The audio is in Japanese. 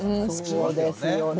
そうですよね。